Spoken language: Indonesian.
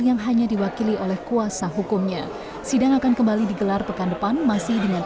yang hanya diwakili oleh kuasa hukumnya sidang akan kembali digelar pekan depan masih dengan